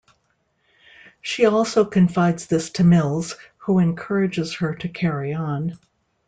She also confides this to Mills, who encourages her to carry on.